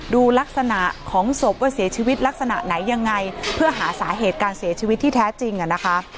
ดูลักษณะของศพว่าเสียชีวิตลักษณะไหนยังไงเพื่อหาสาเหตุการเสียชีวิตที่แท้จริงอ่ะนะคะ